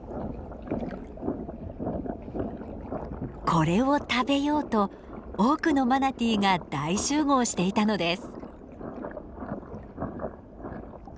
これを食べようと多くのマナティーが大集合していたのです。